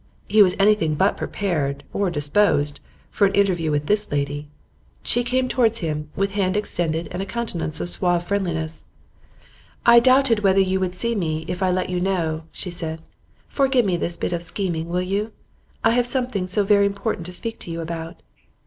He was anything but prepared, or disposed, for an interview with this lady. She came towards him with hand extended and a countenance of suave friendliness. 'I doubted whether you would see me if I let you know,' she said. 'Forgive me this little bit of scheming, will you? I have something so very important to speak to you about.